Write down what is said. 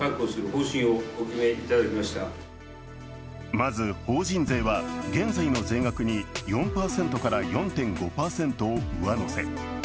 まず法人税は現在の税額に４％から４．５％を上乗せ。